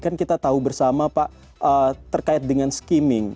kan kita tahu bersama pak terkait dengan skimming